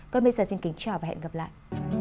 còn bây giờ xin kính chào và hẹn gặp lại